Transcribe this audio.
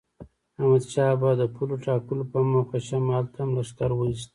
احمدشاه بابا د پولو ټاکلو په موخه شمال ته هم لښکر وایست.